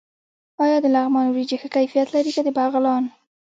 آیا د لغمان وریجې ښه کیفیت لري که د بغلان؟